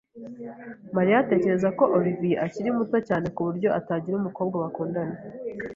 Mariya atekereza ko Oliver akiri muto cyane kuburyo atagira umukobwa bakundana.